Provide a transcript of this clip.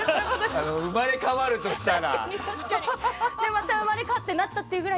生まれ変わるとしたら。